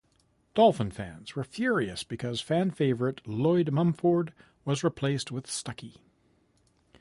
Dolphin fans were furious because fan favorite Lloyd Mumphord was replaced with Stuckey.